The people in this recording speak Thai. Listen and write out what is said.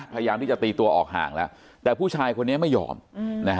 พยายามที่จะตีตัวออกห่างแล้วแต่ผู้ชายคนนี้ไม่ยอมนะฮะ